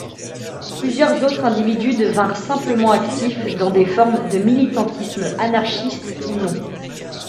Plusieurs autres individus devinrent simplement actifs dans des formes de militantisme anarchistes ou non.